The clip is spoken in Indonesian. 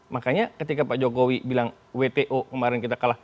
makanya ketika pak jokowi bilang wto kemarin kita kalah